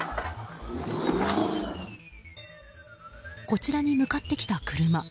こちらに向かってきた車。